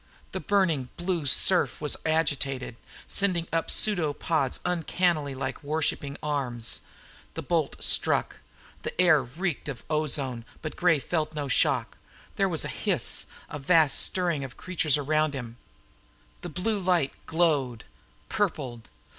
The burning blue surf was agitated, sending up pseudopods uncannily like worshipping arms. The bolt struck. The air reeked of ozone, but Gray felt no shock. There was a hiss, a vast stirring of creatures around him. The blue light glowed, purpled.